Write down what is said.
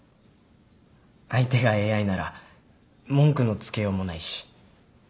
相手がＡＩなら文句のつけようもないし。